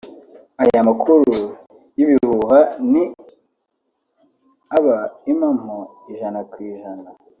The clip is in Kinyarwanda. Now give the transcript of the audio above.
Aya makuru y'ibihuha ni aba impamo ijana ku ijana